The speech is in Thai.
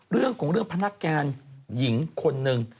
เรื่องของเรื่องพนักงานหญิงคนหนึ่ง